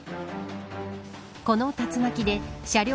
この竜巻で車両